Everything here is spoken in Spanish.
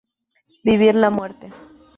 Vivir la Muerte".